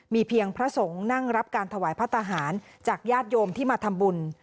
มีเพียงพระสงฆ์นั่งรับการถวายพระทหารจากญาติโยมที่มาทำบุญ